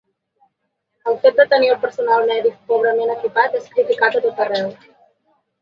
El fet de tenir el personal mèdic pobrament equipat és criticat a tot arreu.